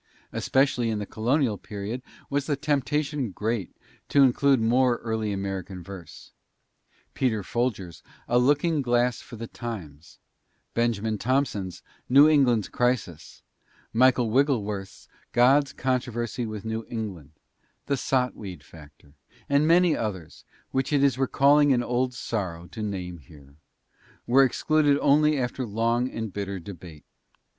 Especially in the colonial period was the temptation great to include more early American verse. Peter Folger's "A Looking Glass for the Times," Benjamin Tompson's "New England's Crisis," Michael Wigglesworth's "God's Controversy with New England," the "Sot Weed Factor," and many others, which it is recalling an old sorrow to name here, were excluded only after long and bitter debate.